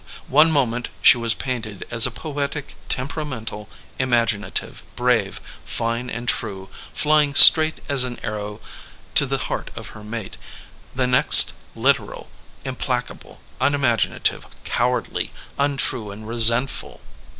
One moment she was painted as poetic, tem peramental, imaginative, brave, fine and true, flying straight as an arrow to the heart of her mate, the 88 CHARACTERIZATION vs. SITUATION next literal, implacable, unimaginative, cowardly, un true and resentful.